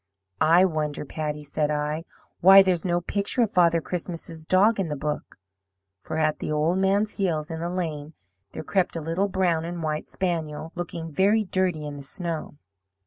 "'I wonder, Patty,' said I, 'why there's no picture of Father Christmas's dog in the book.' For at the old man's heels in the lane there crept a little brown and white spaniel looking very dirty in the snow.